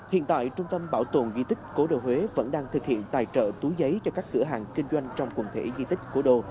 hiện tại trung tâm bảo tồn di tích cổ đồ huế vẫn đang thực hiện tài trợ túi giấy cho các cửa hàng kinh doanh trong quần thể di tích cố đô